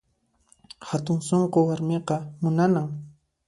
Hatun sunqu warmiqa munanan